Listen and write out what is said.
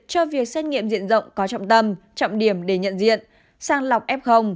cho việc xét nghiệm diện rộng có trọng tâm trọng điểm để nhận diện sang lọc f